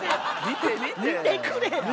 見てくれや！